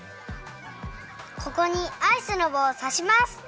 ここにアイスのぼうをさします。